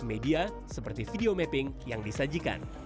media seperti video mapping yang disajikan